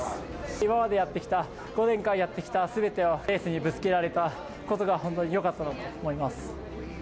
今までやってきた、５年間やってきたすべてをレースにぶつけられたことが、本当によかったと思います。